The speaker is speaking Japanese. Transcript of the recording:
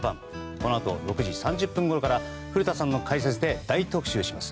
このあと６時３０分ごろから古田さんの解説で大特集します。